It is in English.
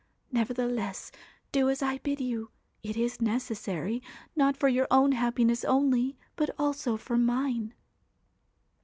Nevertheless, do as I bid you ; it is necessary, not for your own happiness only, but also for mine.'